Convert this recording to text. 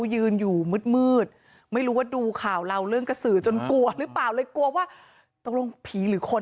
ยืนอยู่มืดไม่รู้ว่าดูข่าวเราเรื่องกระสือจนกลัวหรือเปล่าเลยกลัวว่าตกลงผีหรือคน